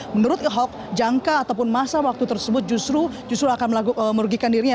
menurut ahok jangka ataupun masa waktu tersebut justru akan merugikan dirinya